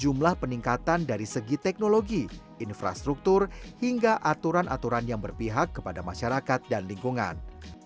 jumlah peningkatan dari segi teknologi infrastruktur hingga aturan aturan yang berpihak kepada masyarakat dan lingkungan